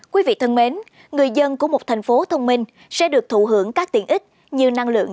quý vị thân mến người dân của một thành phố thông minh sẽ được thụ hưởng các tiện ích như năng lượng